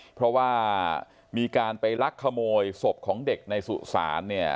เพราะว่ามีการไปลักขโมยศพของเด็กในสุสานเนี่ย